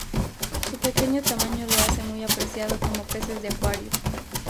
Su pequeño tamaño lo hace muy apreciado como peces de acuario.